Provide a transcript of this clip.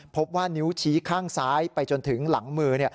พบว่านิ้วชี้ข้างซ้ายไปจนถึงหลังมือ